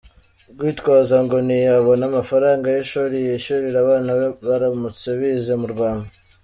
Gitwaza ngo ntiyabona amafaranga y’ishuri yishyurira abana be baramutse bize mu Rwanda.